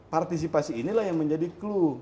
partisipasi inilah yang menjadi clue